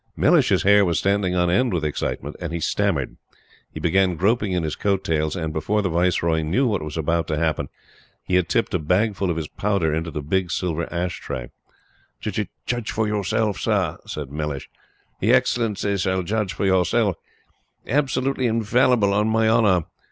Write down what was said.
Mellish's hair was standing on end with excitement, and he stammered. He began groping in his coat tails and, before the Viceroy knew what was about to happen, he had tipped a bagful of his powder into the big silver ash tray. "J j judge for yourself, Sir," said Mellish. "Y' Excellency shall judge for yourself! Absolutely infallible, on my honor."